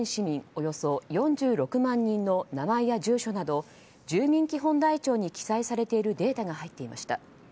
およそ４６万人の名前や住所など住民基本台帳に記載されているデータが入っていました。